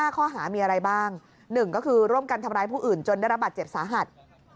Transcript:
ข้อหามีอะไรบ้าง๑ก็คือร่วมกันทำร้ายผู้อื่นจนได้รับบาดเจ็บสาหัส